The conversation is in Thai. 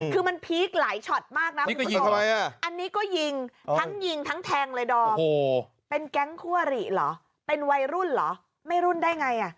คือมันพีคหลายช็อตมากนะคุณผู้ชมอันนี้ก็ยิงทั้งยิงทั้งแทงเลยดอมเป็นแก๊งคั่วหรี่เหรอเป็นวัยรุ่นเหรอไม่รุ่นได้ไง